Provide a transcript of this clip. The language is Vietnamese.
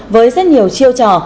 với rất nhiều chiêu trò